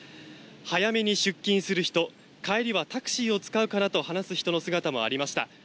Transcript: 早めに出勤する人帰りはタクシーを使うかなと話す人の姿もありました。